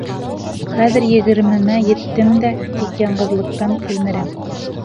Хәҙер егермемә еттем дә, тик яңғыҙлыҡтан тилмерәм.